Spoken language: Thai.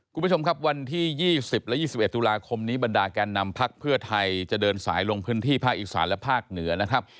คุณผู้ชมครับวันที่๒๐และ๒๑ตุลาคมนี้บรรดาแกนนำพักเพื่อไทยจะเดินสายลงพื้นที่ภาคอีสานและภาคเหนือนะครับ